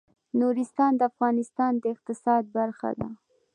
نورستان د افغانستان د اقتصاد برخه ده.